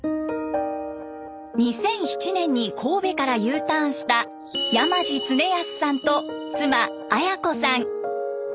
２００７年に神戸からＵターンした山地常安さんと妻綾子さん。